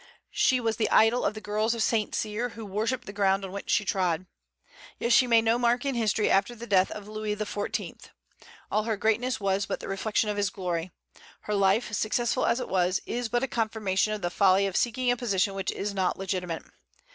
She was the idol of the girls of St. Cyr, who worshipped the ground on which she trod. Yet she made no mark in history after the death of Louis XIV. All her greatness was but the reflection of his glory. Her life, successful as it was, is but a confirmation of the folly of seeking a position which is not legitimate.